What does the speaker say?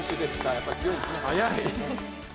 やっぱり強いんですね。